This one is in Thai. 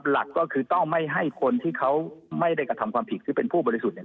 หลักก็คือต้องไม่ให้คนที่เขาไม่ได้กระทำความผิดซึ่งเป็นผู้บริสุทธิ์เนี่ย